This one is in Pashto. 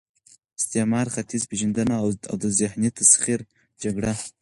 استعمار، ختیځ پېژندنه او د ذهني تسخیر جګړه